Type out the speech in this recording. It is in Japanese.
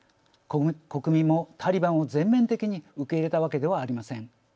国民もタリバンを全面的に受け入れたわけではありません。